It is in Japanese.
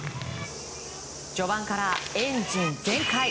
序盤からエンジン全開！